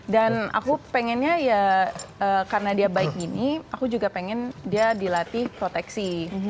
dan aku pengennya ya karena dia baik gini aku juga pengen dia dilatih proteksi